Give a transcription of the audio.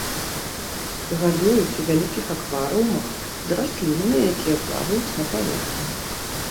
Гадуюць у вялікіх акварыумах з раслінамі, якія плаваюць на паверхні.